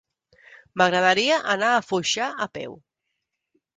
M'agradaria anar a Foixà a peu.